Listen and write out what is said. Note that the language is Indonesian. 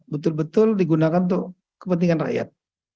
betul betul digunakan untuk kepentingan rakyat